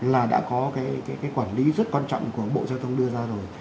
là đã có cái quản lý rất quan trọng của bộ giao thông đưa ra rồi